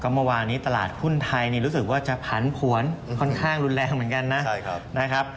เมื่อวานนี้ตลาดหุ้นไทยรู้สึกว่าจะผันผวนค่อนข้างรุนแรงเหมือนกันนะครับ